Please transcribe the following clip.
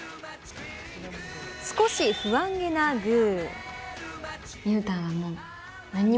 少し不安げなグー。